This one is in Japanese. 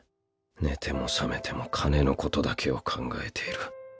寝ても覚めても金のことだけを考えている。